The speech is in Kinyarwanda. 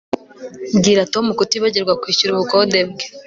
Bwira Tom kutibagirwa kwishyura ubukode bwe